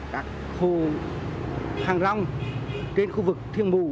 các hồ hàng rong trên khu vực thiên bù